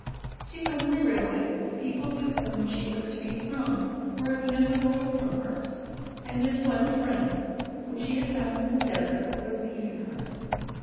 She suddenly realized that the people with whom she was to be thrown were of another world from hers, and this one friend whom she had found in the desert was leaving her.